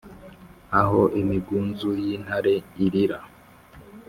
aho imigunzu y’intare irīra